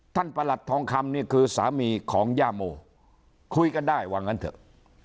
ประหลัดทองคำนี่คือสามีของย่าโมคุยกันได้ว่างั้นเถอะ